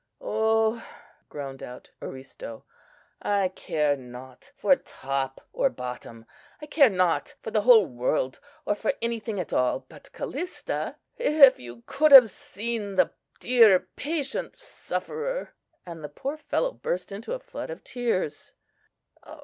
"Oh!" groaned out Aristo; "I care not for top or bottom!—I care not for the whole world, or for anything at all but Callista! If you could have seen the dear, patient sufferer!" and the poor fellow burst into a flood of tears.